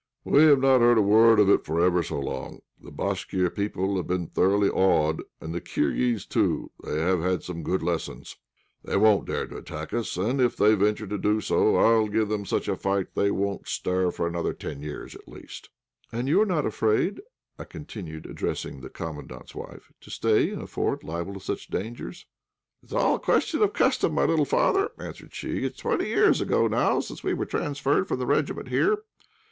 "We have not heard a word of it for ever so long. The Bashkir people have been thoroughly awed, and the Kirghiz, too, have had some good lessons. They won't dare to attack us, and if they venture to do so I'll give them such a fright that they won't stir for ten years at least." "And you are not afraid," I continued, addressing the Commandant's wife, "to stay in a fort liable to such dangers?" "It's all a question of custom, my little father," answered she. "It's twenty years ago now since we were transferred from the regiment here.